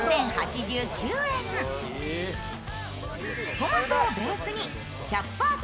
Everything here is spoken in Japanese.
トマトをベースに１００％